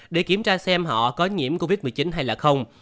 để kiểm tra xem họ có nhiễm covid một mươi chín hay là không